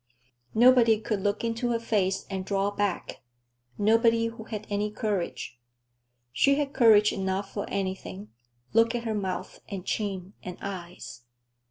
Nobody could look into her face and draw back, nobody who had any courage. She had courage enough for anything—look at her mouth and chin and eyes!